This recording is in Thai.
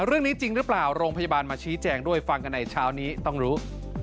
จริงหรือเปล่าโรงพยาบาลมาชี้แจงด้วยฟังกันในเช้านี้ต้องรู้